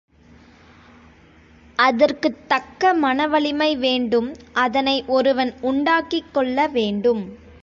அதற்குத் தக்க மனவலிமை வேண்டும் அதனை ஒருவன் உண்டாக்கிக் கொள்ள வேண்டும்.